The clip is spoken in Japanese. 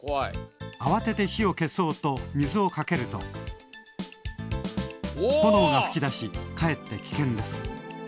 あわてて火を消そうと水をかけると炎がふき出しかえって危険です。